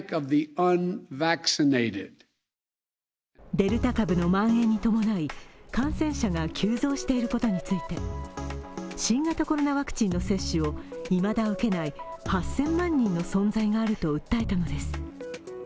デルタ株のまん延に伴い感染者が急増していることについて新型コロナワクチンの接種をいまだ受けない８０００万人の存在があると訴えたのです。